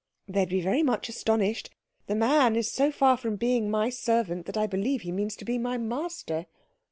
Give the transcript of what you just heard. "They'd be very much astonished. The man is so far from being my servant that I believe he means to be my master."